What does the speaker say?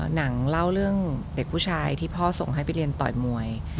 หนังเล่าเรื่องเด็กผู้ชายที่พ่อส่งให้ไปเรียนต่อยมวย